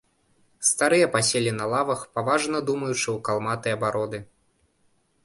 Старыя паселі на лавах, паважна думаючы ў калматыя бароды.